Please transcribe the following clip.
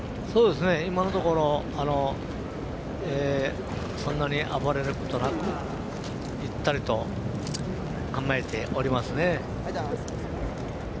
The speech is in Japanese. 今のところそんなに暴れることなくゆったりと、構えておりますね。